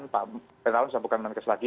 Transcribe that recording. pak petalon sudah bukan menangkas lagi